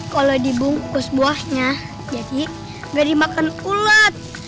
kalau dibungkus buahnya jadi nggak dimakan ulat